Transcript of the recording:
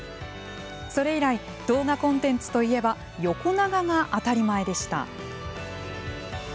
それ以来、動画コンテンツといえば、横長が当たり前でした。